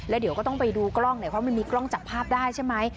แล้วเดี๋ยวก็ต้องไปดูกล้องเพราะว่าไม่มีกล้องจับภาพได้ใช่ไหม